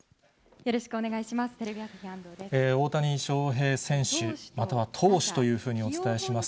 よろしくお願いします。